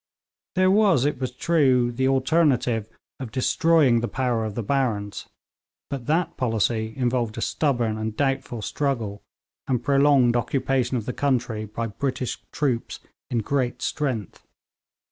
There was, it is true, the alternative of destroying the power of the barons, but that policy involved a stubborn and doubtful struggle, and prolonged occupation of the country by British troops in great strength.